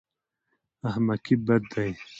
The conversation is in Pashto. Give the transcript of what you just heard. احمقي بد دی.